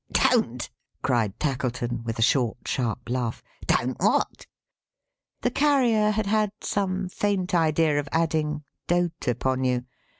"Don't!" cried Tackleton, with a short, sharp laugh. "Don't what?" The Carrier had had some faint idea of adding, "dote upon you."